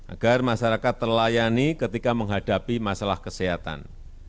agar masyarakat terlayani ketika menghadapi masalah kesehatan